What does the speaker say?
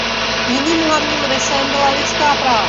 Jiným hlavním rysem byla lidská práva.